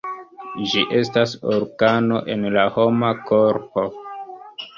Ĝi estas organo en la homa korpo.